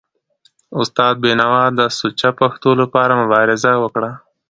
استاد بینوا د سوچه پښتو لپاره مبارزه وکړه.